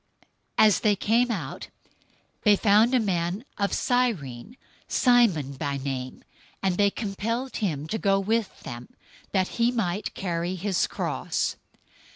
027:032 As they came out, they found a man of Cyrene, Simon by name, and they compelled him to go with them, that he might carry his cross.